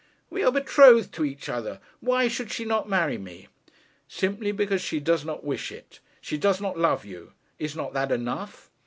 'We are betrothed to each other. Why should she not marry me?' 'Simply because she does not wish it. She does not love you. Is not that enough?